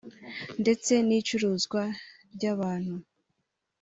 ndetse n’icuruzwa ry’abantu